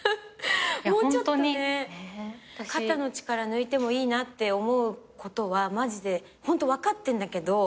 もうちょっとね肩の力抜いてもいいなって思うことはマジでホント分かってんだけど。